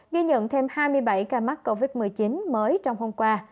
ghi nhận thêm hai mươi bảy ca mắc covid một mươi chín mới trong hôm qua